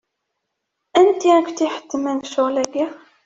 Anti i kent-iḥettmen ccɣel-agi?